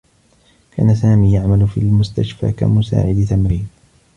كان سامي يعمل في المستشفى كمساعد تمريض.